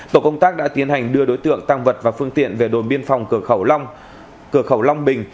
tổ công tác đã tiến hành đưa đối tượng tăng vật và phương tiện về đồn biên phòng cửa khẩu long bình